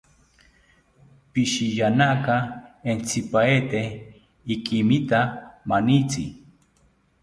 Psihiyanaka entzipaete ikimita manitzi